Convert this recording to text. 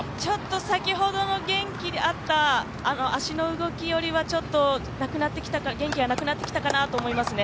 先ほどの元気合った足の動きよりは元気がなくなってきたかなと思いますね。